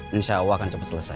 risau akan cepat selesai